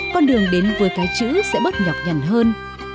con đường đến với cái chữ sẽ bớt nhọc nhằn hơn